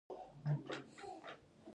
کله چي زه پوهیدلې یم